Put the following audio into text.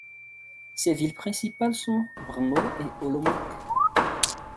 Ses villes principales sont Brno et Olomouc.